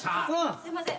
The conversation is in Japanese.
すいません。